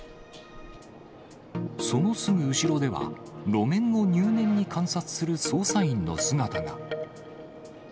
そのすぐ後ろでは、路面を入念に観察する捜査員の姿が。